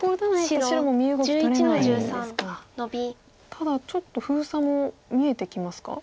ただちょっと封鎖も見えてきますか？